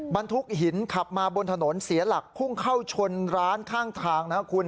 บรรทุกหินขับมาบนถนนเสียหลักพุ่งเข้าชนร้านข้างทางนะคุณ